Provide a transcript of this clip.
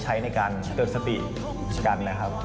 ใช้ในการเติดสติกันแหละครับ